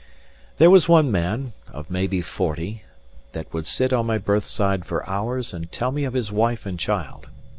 There was one man, of maybe forty, that would sit on my berthside for hours and tell me of his wife and child.